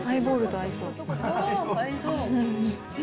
合いそう。